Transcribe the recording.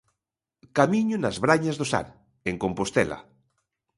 Camiño nas Brañas do Sar, en Compostela.